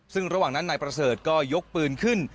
ซึ่งระหว่างนั้นนายประเสริฐก็ยกปืนขึ้น